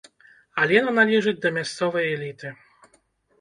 Алена належыць да мясцовай эліты.